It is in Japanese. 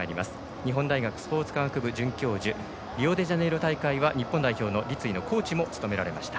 日本大学スポーツ科学部准教授リオデジャネイロ大会は日本代表の立位のコーチも務められました。